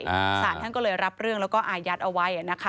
ศาลท่านก็เลยรับเรื่องแล้วก็อายัดเอาไว้นะคะ